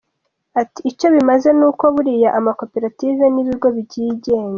Ati “Icyo bimaze ni uko buriya amakopetarive ni ibigo byigenga.